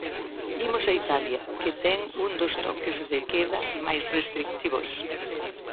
Imos a Italia, que ten un dos toques de queda máis restritivos.